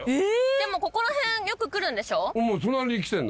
でもここら辺よく来るんでしょ？